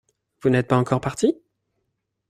Vous n’êtes pas encore parti?